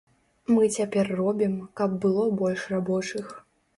Мы цяпер робім, каб было больш рабочых.